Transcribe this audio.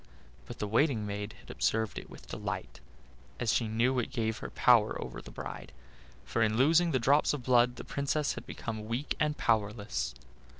But the waiting maid had observed it with delight, as she knew it gave her power over the bride, for in losing the drops of blood the Princess had become weak and powerless.